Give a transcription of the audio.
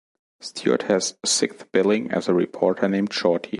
Stewart has sixth billing as a reporter named Shorty.